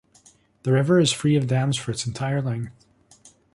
The river is free of dams for its entire length.